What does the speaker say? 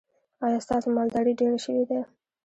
ایا ستاسو مالداري ډیره شوې ده؟